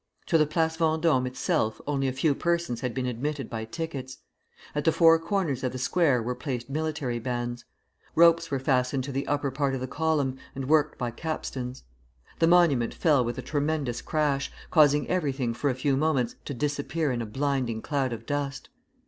To the Place Vendôme itself only a few persons had been admitted by tickets. At the four corners of the square were placed military bands. Ropes were fastened to the upper part of the column, and worked by capstans. The monument fell with a tremendous crash, causing everything for a few moments to disappear in a blinding cloud of dust.